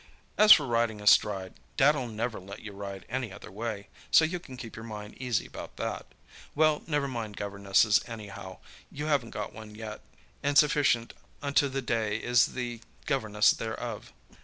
As for riding astride, Dad'll never let you ride any other way, so you can keep your mind easy about that. Well, never mind governesses, anyhow; you haven't got one yet, and sufficient unto the day is the governess thereof.